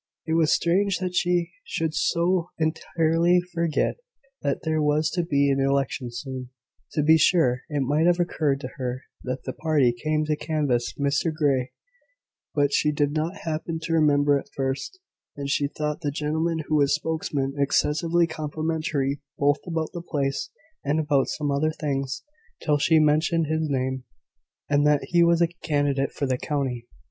It was strange that she should so entirely forget that there was to be an election soon. To be sure, it might have occurred to her that the party came to canvass Mr Grey: but she did not happen to remember at first; and she thought the gentleman who was spokesman excessively complimentary, both about the place and about some other things, till he mentioned his name, and that he was candidate for the county.